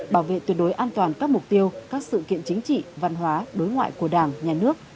bảo vệ tuyệt đối an toàn các mục tiêu các sự kiện chính trị văn hóa đối ngoại của đảng nhà nước